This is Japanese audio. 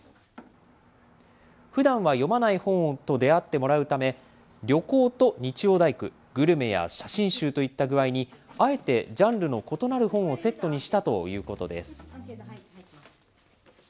ふだんは読まない本と出会ってもらうため、旅行と日曜大工、グルメや写真集といった具合に、あえてジャンルの異なる本をセットにしたということです。